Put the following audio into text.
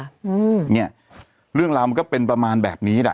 อืมเนี่ยเรื่องราวมันก็เป็นประมาณแบบนี้แหละ